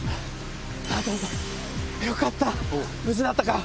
よかった無事だったか。